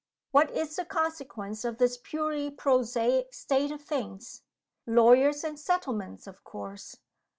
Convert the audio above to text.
What is the consequence of this purely prosaic state of things? Lawyers and settlements, of course!"